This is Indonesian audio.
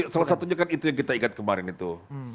salah satunya kan itu yang kita ingat kemarin itu